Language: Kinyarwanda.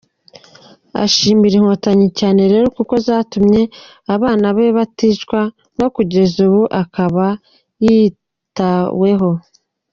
Ashimira inkotanyi cyane rero kuko zatumye abana be baticwa, no kugeza ubu akaba yitaweho.